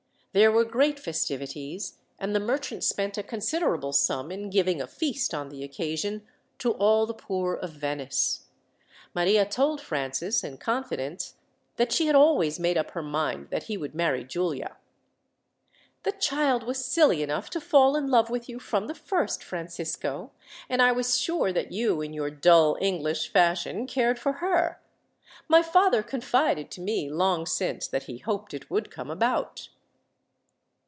There were great festivities, and the merchant spent a considerable sum in giving a feast, on the occasion, to all the poor of Venice. Maria told Francis, in confidence, that she had always made up her mind that he would marry Giulia. "The child was silly enough to fall in love with you from the first, Francisco, and I was sure that you, in your dull English fashion, cared for her. My father confided to me, long since, that he hoped it would come about."